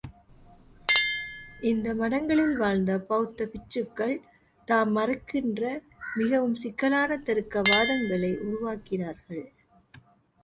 இந்த மடங்களில் வாழ்ந்த பெளத்த பிட்சுக்கள் தாம், கடவுளை மறுக்கிற மிகவும் சிக்கலான தருக்க வாதங்களை உருவாக்கினார்கள்.